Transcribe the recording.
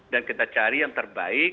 dan kita cari yang terbaik